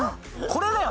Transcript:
これだよ